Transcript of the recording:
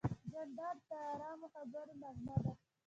جانداد د ارام خبرو نغمه ده.